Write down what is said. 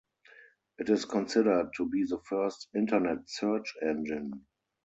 It is considered to be the first Internet search engine.